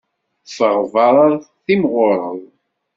Ffeɣ beṛṛa, timɣureḍ.